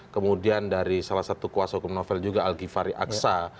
kemudian dari salah satu kuasa hukum novel juga al ghifari aksa